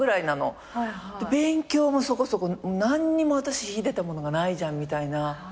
で勉強もそこそこ何にも私秀でたものがないじゃんみたいな。